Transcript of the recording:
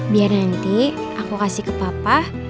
biar nanti aku kasih ke papa